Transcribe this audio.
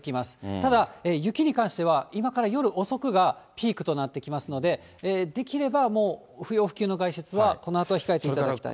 ただ、雪に関しては、今から夜遅くがピークとなってきますので、できればもう、不要不急の外出はこのあとは控えていただきたい。